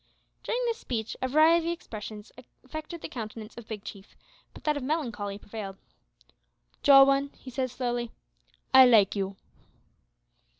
During this speech a variety of expressions affected the countenance of Big Chief, but that of melancholy predominated. "Jowin," he said, slowly, "I like you."